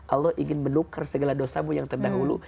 allah ingin menukar segala dosamu yang terdahulu